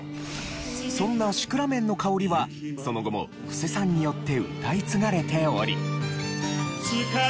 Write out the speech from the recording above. そんな『シクラメンのかほり』はその後も布施さんによって歌い継がれており。